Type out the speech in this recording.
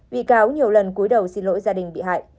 bị cáo nhiều lần cuối đầu xin lỗi gia đình bị hại